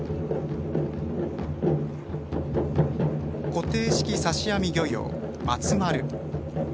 固定式さし網漁業、まつ丸。